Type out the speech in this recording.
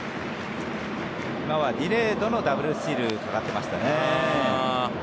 今はディレードのダブルスチールがかかってましたね。